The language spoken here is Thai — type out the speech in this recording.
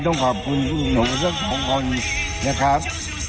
ต้องขอบคุณทุกหลงสองคนนะครับ